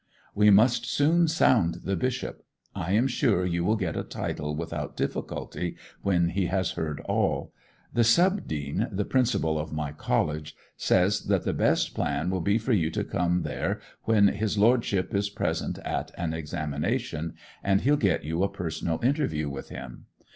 'We must soon sound the Bishop. I am sure you will get a title without difficulty when he has heard all. The sub dean, the principal of my college, says that the best plan will be for you to come there when his lordship is present at an examination, and he'll get you a personal interview with him.